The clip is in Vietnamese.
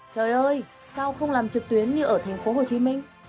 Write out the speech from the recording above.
trời ơi sao không làm trực tuyến như ở tp hcm